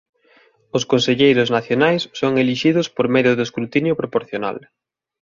Os conselleiros nacionais son elixidos por medio do escrutinio proporcional.